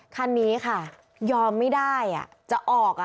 คันนี้ค่ะยอมไม่ได้จะออก